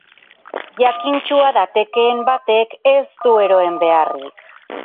Jakintsua datekeen batek ez du eroen beharrik.